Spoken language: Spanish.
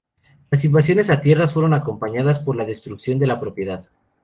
Las invasiones a tierras fueron acompañadas por la destrucción de la propiedad.